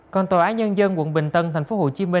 còn tòa án nhân dân quận bình tân tp hcm